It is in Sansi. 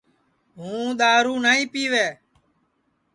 ہُوں دؔارو نائی پِیوے